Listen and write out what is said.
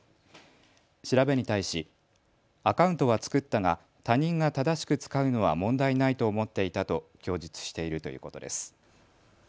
調べに対しアカウントは作ったが他人が正しく使うのは問題ないと思っていたと供述しているということです。